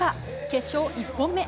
決勝１本目。